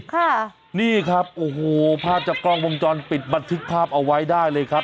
ค่ะนี่ครับโอ้โหภาพจากกล้องวงจรปิดบันทึกภาพเอาไว้ได้เลยครับ